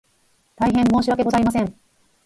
大変申し訳ございません